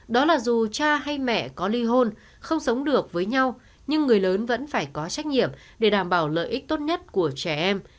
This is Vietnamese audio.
đó là dù cha hay mẹ có ly hôn không sống được với nhau nhưng người lớn vẫn phải có trách nhiệm để đảm bảo lợi ích tốt nhất của trẻ em